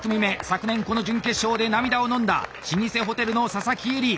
昨年この準決勝で涙をのんだ老舗ホテルの佐々木絵梨。